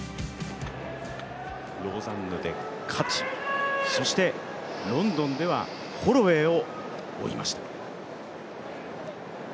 ローザンヌで勝ち、そしてロンドンではホロウェイを追いました。